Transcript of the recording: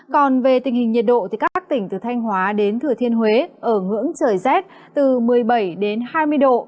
còn về tình hình nhiệt độ các tỉnh từ thanh hóa đến thừa thiên huế ở ngưỡng trời rét từ một mươi bảy đến hai mươi độ